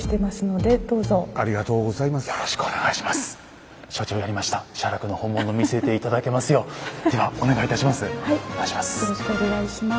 ではお願いいたします。